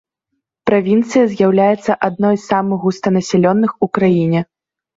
Правінцыя з'яўляецца адной з самых густанаселеных ў краіне.